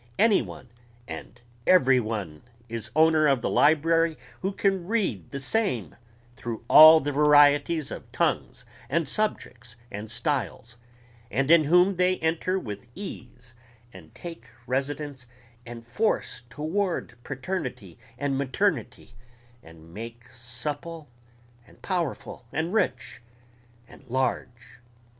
Any one and every one is owner of the library who can read the same through all the varieties of tongues and subjects and styles, and in whom they enter with ease and take residence and force toward paternity and maternity, and make supple and powerful and rich and large....